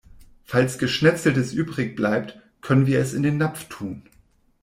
Falls Geschnetzeltes übrig bleibt, können wir es in den Napf tun.